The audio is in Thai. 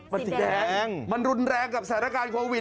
มันสีแดงมันรุนแรงกับสถานการณ์โควิด